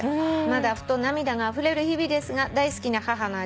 「まだふと涙があふれる日々ですが大好きな母の